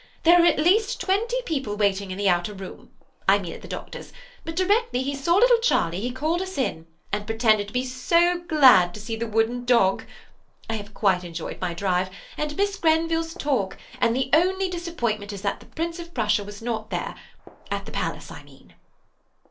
There were at least twenty people waiting in the outer room–I mean at the Doctor's–but directly he saw little Charlie he called us in, and pretended to be so glad to see the wooden dog. I have quite enjoyed my drive, and Miss Grenville's talk, and the only disappointment is that the Prince of Prussia was not there–at the Palace, I mean."